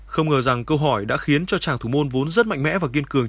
không ngờ rằng câu hỏi đã khiến cho chàng thủ môn vốn rất mạnh mẽ và kiên trọng